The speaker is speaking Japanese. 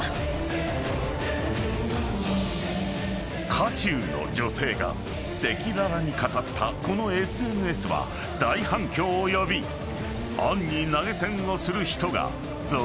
［渦中の女性が赤裸々に語ったこのＳＮＳは大反響を呼び杏に投げ銭をする人が続出］